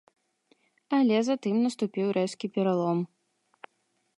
Але затым наступіў рэзкі пералом.